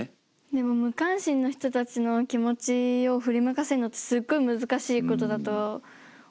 でも無関心の人たちの気持ちを振り向かせるのってすっごい難しいことだと思うのね。